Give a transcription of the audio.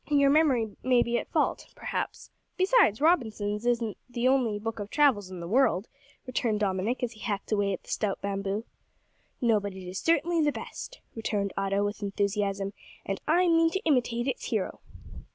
"Your memory may be at fault, perhaps. Besides, Robinson's is not the only book of travels in the world," returned Dominick, as he hacked away at the stout bamboo. "No; but it is certainly the best," returned Otto, with enthusiasm, "and I mean to imitate its hero."